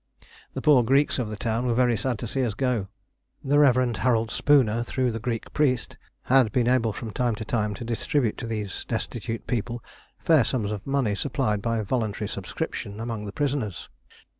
The poor Greeks of the town were very sad to see us go. The Rev. Harold Spooner, through the Greek priest, had been able from time to time to distribute to these destitute people fair sums of money supplied by voluntary subscription among the prisoners.